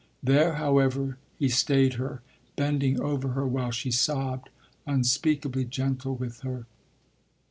There, however, he stayed her, bending over her while she sobbed, unspeakably gentle with her.